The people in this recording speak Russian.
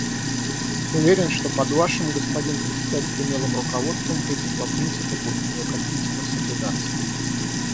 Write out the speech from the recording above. Уверен, что под Вашим, господин Председатель, умелым руководством эти два принципа будут неукоснительно соблюдаться.